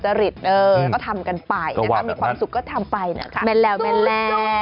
ก็เลยนำมาฝากคุณผู้ชมให้ดูว่า